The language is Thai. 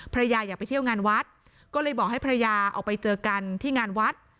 อยากไปเที่ยวงานวัดก็เลยบอกให้ภรรยาออกไปเจอกันที่งานวัด